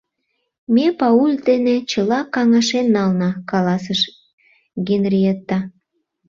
— Ме Пауль дене чыла каҥашен нална, — каласыш Генриетта.